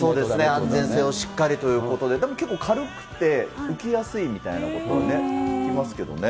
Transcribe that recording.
安全性をしっかりということで、結構軽くて浮きやすいみたいなことを聞きますけどね。